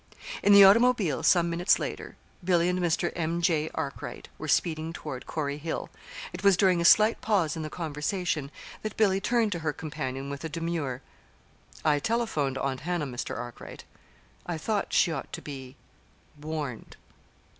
In the automobile some minutes later, Billy and Mr. M. J. Arkwright were speeding toward Corey Hill. It was during a slight pause in the conversation that Billy turned to her companion with a demure: "I telephoned Aunt Hannah, Mr. Arkwright. I thought she ought to be warned."